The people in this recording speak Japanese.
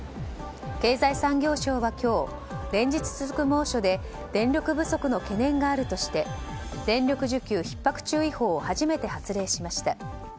経済産業省は今日連日続く猛暑で電力不足の懸念があるとして電力需給ひっ迫注意報を初めて発令しました。